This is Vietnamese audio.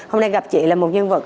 hôm nay gặp chị là một nhân vật